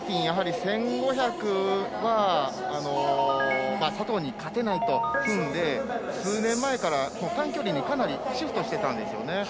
しかし、マーティンやはり１５００は佐藤に勝てないと踏んで数年前から短距離にかなりシフトしてたんですよね。